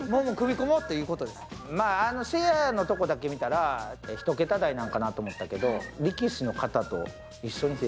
シェアのところだけ見たら１桁台なのかと思ったけど。